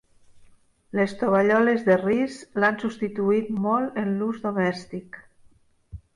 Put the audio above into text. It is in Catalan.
Les tovalloles de ris l'han substituït molt en l'ús domèstic.